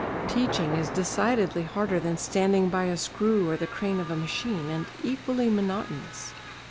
Teaching is decidedly harder than standing by a screw or the crane of a machine, and equally monotonous.